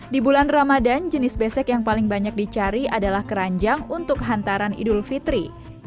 di bulan ramadan jenis besek yang paling banyak dicari adalah keranjang untuk hantaran idul fitri